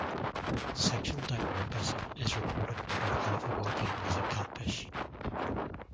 Sexual dimorphism is reported in about half of all families of catfish.